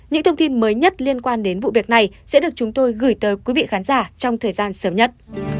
những thông tin mới nhất liên quan đến vụ việc này sẽ được chúng tôi gửi tới quý vị khán giả trong thời gian sớm nhất